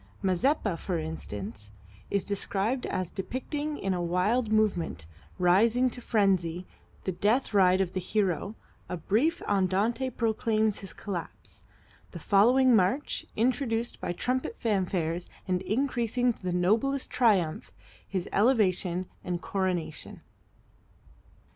"Mazeppa," for instance, is described as depicting in a wild movement, rising to frenzy, the death ride of the hero, a brief andante proclaims his collapse, the following march, introduced by trumpet fanfares and increasing to the noblest triumph, his elevation and coronation.